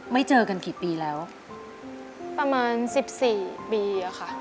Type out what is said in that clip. เจอกันกี่ปีแล้วประมาณสิบสี่ปีอะค่ะ